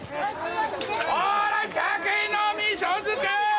ほらシャケのみそ漬け！